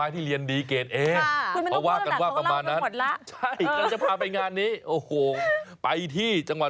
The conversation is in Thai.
ที่ทำไมล่ะทำไมถึงเรียนเก่งล่ะ